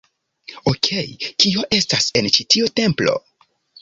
Okej, kio estas en ĉi tiu templo?